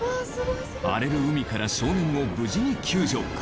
・荒れる海から少年を無事に救助！